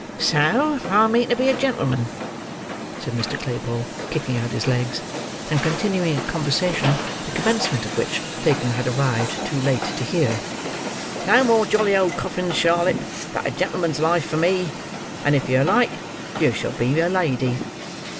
"So I mean to be a gentleman," said Mr. Claypole, kicking out his legs, and continuing a conversation, the commencement of which Fagin had arrived too late to hear. "No more jolly old coffins, Charlotte, but a gentleman's life for me: and, if yer like, yer shall be a lady."